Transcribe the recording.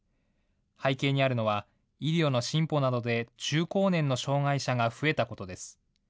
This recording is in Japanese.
背景にあるのは、医療の進歩などで中高年の障害者が増えたことです。